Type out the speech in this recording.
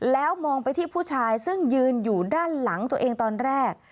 แล้วมองไปที่ผู้ชายซึ่งยืนอยู่ด้านหลังตัวเองตอนแรก